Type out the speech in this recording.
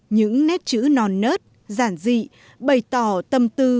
những nét chữ non nớt giản dị bày tỏ tâm tư